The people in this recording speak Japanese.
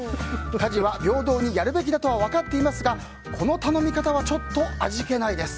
家事は平等にやるべきだとは分かっていますが、この頼み方はちょっと味気ないです。